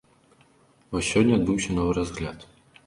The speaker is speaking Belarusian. Вось сёння адбыўся новы разгляд.